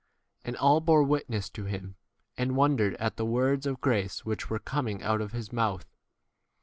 And all bore witness to him, and wondered at the words of grace which were coming out of his mouth.